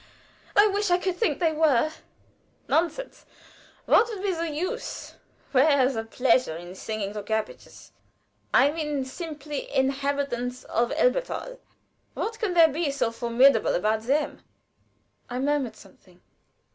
I wish I could think they were." "Nonsense! What would be the use, where the pleasure, in singing to cabbages? I mean simply inhabitants of Elberthal. What can there be so formidable about them?" I murmured something.